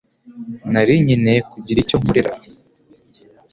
Nari nkeneye kugira icyo nkorera